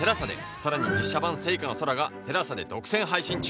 さらに実写版『ＳＥＩＫＡ の空』が ＴＥＬＡＳＡ で独占配信中。